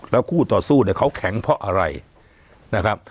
แล้วคู่ต่อสู้เนี่ยเขาแข็งเพราะอะไรนะครับ